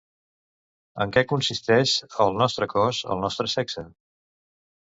En què consisteix El Nostre cos, el nostre sexe?